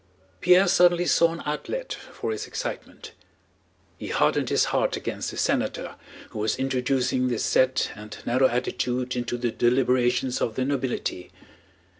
Pierre suddenly saw an outlet for his excitement. He hardened his heart against the senator who was introducing this set and narrow attitude into the deliberations of the nobility.